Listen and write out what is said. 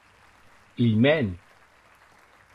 Hilh mèn!